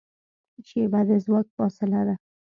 شیبه د ځواک فاصله ده.